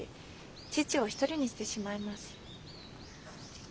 父を一人にしてしまいます。